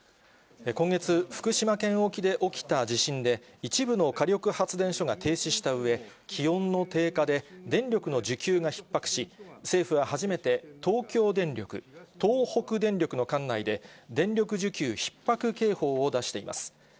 今月、福島県沖で起きた地震で、一部の火力発電所が停止したうえ、気温の低下で電力の需給がひっ迫し、政府は初めて、東京電力、東北電力の管内で、電力需給ひっ迫警報を出しています。